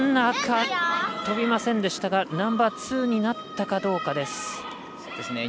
赤、飛びませんでしたがナンバーツーになったかどうかです。